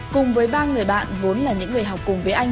cùng với ba người bạn vốn là những người học cùng với anh